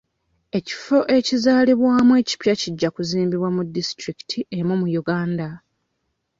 Ekifo ekizaalibwamu ekipya kijja kuzimbibwa mu disitulikiti emu mu Uganda